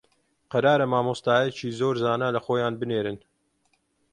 قەرارە مامۆستایەکی زۆر زانا لە خۆیان بنێرن